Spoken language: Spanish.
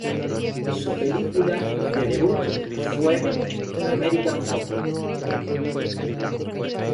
Su película de debut "fue American Pop".